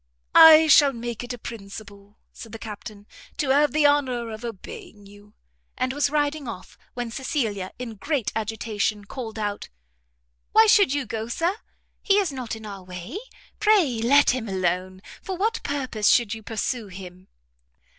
"I shall make it a principle," said the captain, "to have the honour of obeying you." And was riding off, when Cecilia, in great agitation, called out "Why should you go, Sir? he is not in our way, pray let him alone, for what purpose should you pursue him?"